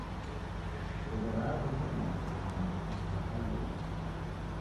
Nguwo ra harusi radashonwa na mafundi wa hali ya ighu.